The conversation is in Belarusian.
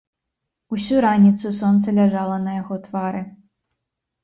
Усю раніцу сонца ляжала на яго твары.